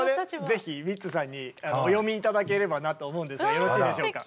ぜひミッツさんにお読み頂ければなと思うんですがよろしいでしょうか。